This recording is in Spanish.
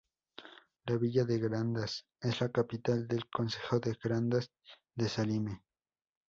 La villa de Grandas es la capital del concejo de Grandas de Salime.